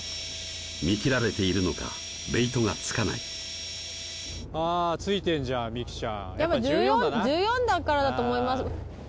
見切られているのかベイトが付かないあ付いてんじゃん未来ちゃんやっぱ１４だなあやっぱ１４だからだと思います